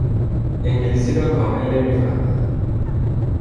انگلیسی را کامل نمیفهمد.